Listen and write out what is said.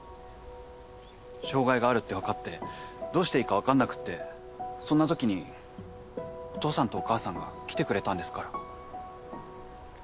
障害があるって分かってどうしていいか分かんなくってそんなときにお父さんとお母さんが来てくれたんですから。